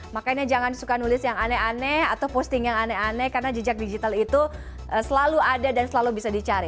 makanya jangan suka nulis yang aneh aneh atau posting yang aneh aneh karena jejak digital itu selalu ada dan selalu bisa dicari